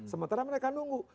sementara mereka nunggu